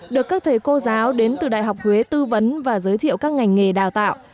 được các thầy cô giáo đến từ đại học huế tư vấn và giới thiệu các ngành nghề đào tạo